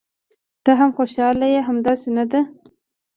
ته هم خوشاله یې، همداسې نه ده؟